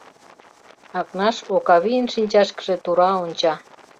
Акнаш Окавийын шинчашкыже тура онча.